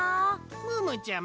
ムームーちゃま？